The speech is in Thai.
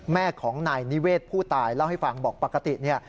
แม่ของนายนิเวศผู้ตายเล่าให้ฟังบอกปกติเนี่ย